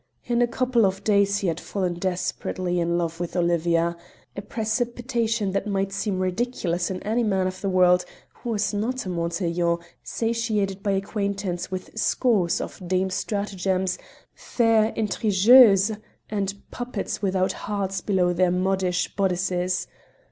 In a couple of days he had fallen desperately in love with Olivia a precipitation that might seem ridiculous in any man of the world who was not a Montaiglon satiated by acquaintance with scores of Dame Stratagems, fair intrigueuses and puppets without hearts below their modish bodices.